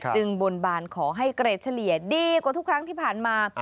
บนบานขอให้เกรดเฉลี่ยดีกว่าทุกครั้งที่ผ่านมา